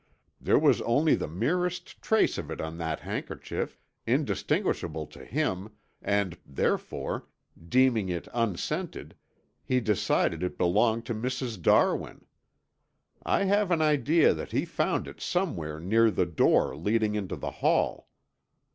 There was only the merest trace on that handkerchief, indistinguishable to him, and, therefore, deeming it unscented, he decided it belonged to Mrs. Darwin. I have an idea that he found it somewhere near the door leading into the hall.